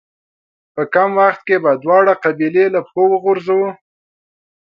په کم وخت کې به دواړه قبيلې له پښو وغورځوو.